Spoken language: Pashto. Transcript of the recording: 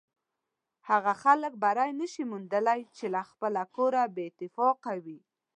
هغه خلک بری نشي موندلی چې له خپله کوره بې اتفاقه وي.